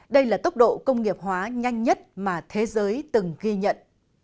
đây là tốc độ công nghiệp hóa nhanh nhất mà thế giới từng ghi nhận